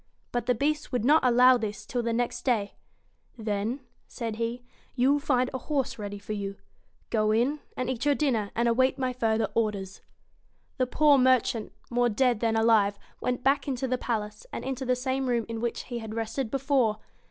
But the Beast would not allow this till the next day. 'Then,' said he, 'you will find a horse ready for you. Go in, and eat your dinner, and await my further orders.' The poor merchant, more dead than alive, went back into the palace, and into the same room in which he had rested before.